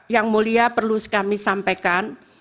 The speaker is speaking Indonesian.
yang mulia perlu kami sampaikan